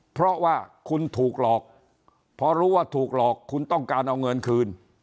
เพราะว่าคุณถูกหลอกพอรู้ว่าถูกหลอกคุณต้องการเอาเงินคืน